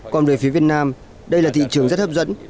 còn về phía việt nam đây là thị trường rất hấp dẫn